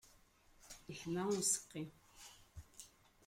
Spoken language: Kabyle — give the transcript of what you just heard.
Iḥma useqqi.